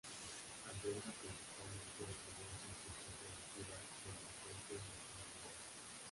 Alberga principalmente detenidos en prisión preventiva, delincuentes no condenados.